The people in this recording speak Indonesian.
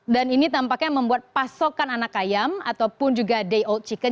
dan ini tampaknya membuat pasokan anak ayam ataupun juga day old chicken